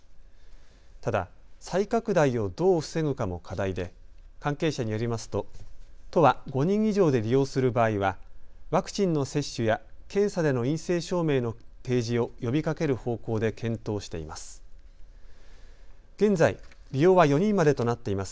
ただ再拡大をどう防ぐかも課題で関係者によりますと都は５人以上で利用する場合はワクチンの接種や検査での陰性証明の提示を呼びかける方向で検討しています。